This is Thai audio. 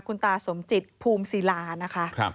คุณตาสมจิตภูมิศาลาคาม